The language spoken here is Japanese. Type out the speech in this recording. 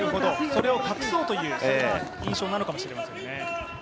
それを隠そうというそんな印象かもしれませんね。